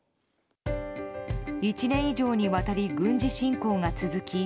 １年以上にわたり軍事侵攻が続き